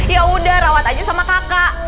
ya udah rawat aja sama kakak